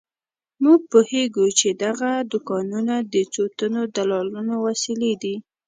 موږ پوهېږو چې دغه دوکانونه د څو تنو دلالانو وسیلې دي.